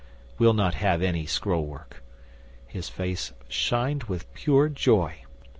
We'll not have any scroll work." His face shined with pure joy.